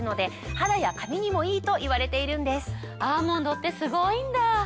アーモンドってすごいんだぁ！